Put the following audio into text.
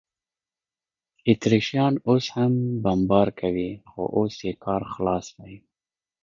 اتریشیان اوس هم بمبار کوي، خو اوس یې کار خلاص دی.